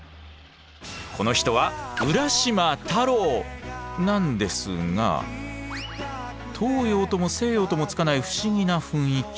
この人はなんですが東洋とも西洋ともつかない不思議な雰囲気。